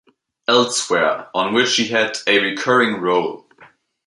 Elsewhere, on which he had a recurring role.